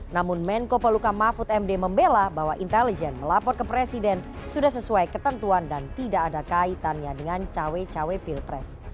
namun menko poluka mahfud md membela bahwa intelijen melapor ke presiden sudah sesuai ketentuan dan tidak ada kaitannya dengan cawe cawe pilpres